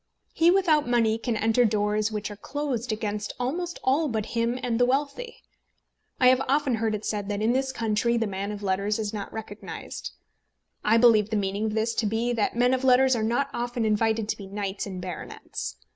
He without money can enter doors which are closed against almost all but him and the wealthy. I have often heard it said that in this country the man of letters is not recognised. I believe the meaning of this to be that men of letters are not often invited to be knights and baronets.